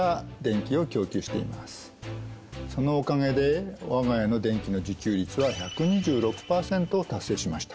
そのおかげで我が家の電気の自給率は１２６％を達成しました。